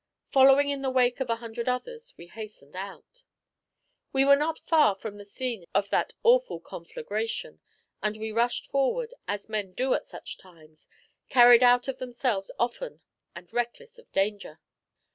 Following in the wake of a hundred others, we hastened out. We were not far from the scene of that awful conflagration, and we rushed forward, as men do at such times, carried out of themselves often and reckless of danger.